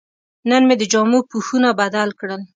نن مې د جامو پوښونه بدل کړل.